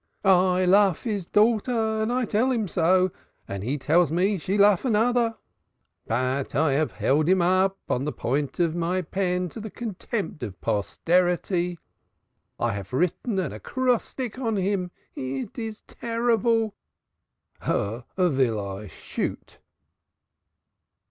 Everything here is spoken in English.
I lof his daughter and I tell him so and he tells me she lof another. But I haf held him up on the point of my pen to the contempt of posterity. I haf written an acrostic on him; it is terrible. Her vill I shoot."